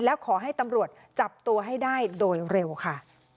แล้วขอให้ตำรวจจับตัวให้ได้โดยเร็วค่ะ